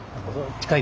近い？